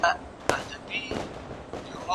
چي یې ومانه خطر وېره ورکیږي